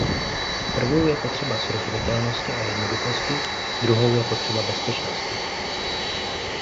Prvou je potřeba srozumitelnosti a jednoduchosti, druhou je potřeba bezpečnosti.